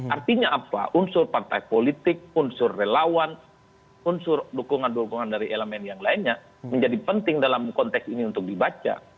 artinya apa unsur partai politik unsur relawan unsur dukungan dukungan dari elemen yang lainnya menjadi penting dalam konteks ini untuk dibaca